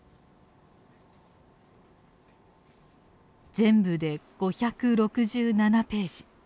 全部で５６７ページ